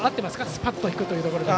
スパッと行くというところで。